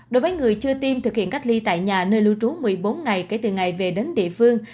đối với người chưa tiêm thực hiện cách ly tại nhà nơi lưu trú một mươi bốn ngày kể từ ngày về đến địa phương